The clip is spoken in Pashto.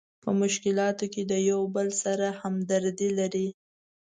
په مشکلاتو کې د یو بل سره همدردي لري.